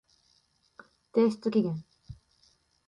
提出期限